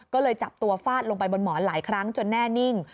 ก็เลยจับตัวฟาดลงไปบนหมอนหลายครั้งจนแน่นิ่ง